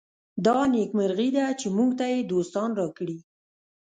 دا نېکمرغي ده چې موږ ته یې دوستان راکړي.